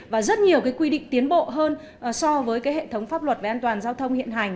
và rất nhiều quy định tiến bộ hơn so với cái hệ thống pháp luật về an toàn giao thông hiện hành